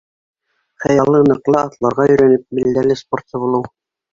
Хыялы — ныҡлы атларға өйрәнеп, билдәле спортсы булыу.